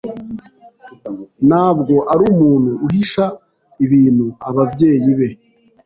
ntabwo arumuntu uhisha ibintu ababyeyi be.